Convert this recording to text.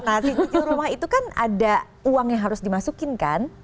nah di rumah itu kan ada uang yang harus dimasukin kan